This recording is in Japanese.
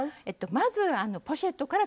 まずポシェットから。